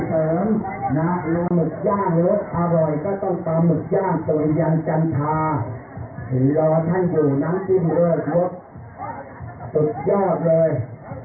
เพิ่มนะมือกย่างรสอร่อยก็ต้องตำมือกย่างสวยงาจันทราถือรอทั่งอยู่น้ำจิ้มเลือกรสสุดยอดเลย